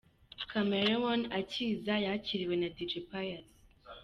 Chameleone akiza yakiriwe na Dj Pius.